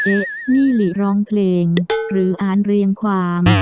เอ๊ะนี่หลิร้องเพลงหรืออ่านเรียงความ